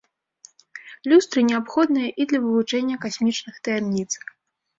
Люстры неабходныя і для вывучэння касмічных таямніц.